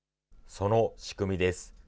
その仕組みです。